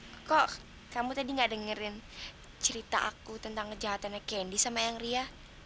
kenapa kamu tidak mendengarkan cerita saya tentang kejahatan kendi dan eyang ria